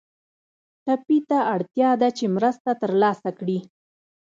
ټپي ته اړتیا ده چې مرسته تر لاسه کړي.